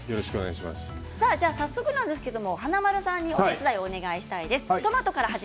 早速、華丸さんにお手伝いをお願いしたいです。